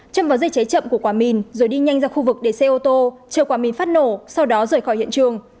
châm vào dây cháy chậm của quả mìn rồi đi nhanh ra khu vực để xe ô tô chở quả mìn phát nổ sau đó rời khỏi hiện trường